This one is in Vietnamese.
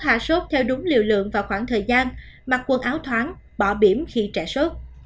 hạ sốt theo đúng liều lượng và khoảng thời gian mặc quần áo thoáng bỏ biển khi trẻ sốt